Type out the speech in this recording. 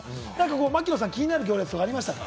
槙野さん、気になる行列はありましたか？